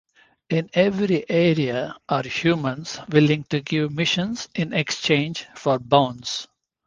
In every area are humans willing to give missions in exchange for bones.